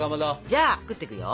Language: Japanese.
じゃあ作ってくよ。